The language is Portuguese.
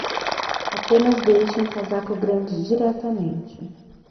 Apenas deixe um casaco grande diretamente